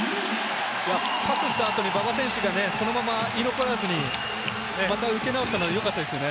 素晴らパスした後に馬場選手がそのまま居残らずに、また受け直したのがよかったですね。